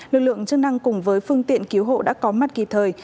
lực lượng chức năng cùng với phương tiện cứu hộ đã có mặt kịp thời